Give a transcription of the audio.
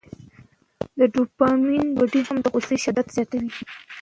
د ډوپامین ګډوډي هم د غوسې شدت زیاتوي.